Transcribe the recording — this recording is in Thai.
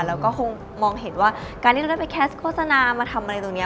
เราก็คงมองเห็นว่าการที่เราได้ไปแคสต์โฆษณามาทำอะไรตรงนี้